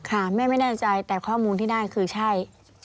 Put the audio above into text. ค่ะแม่ไม่แน่ใจแต่ข้อมูลที่ได้คือใช่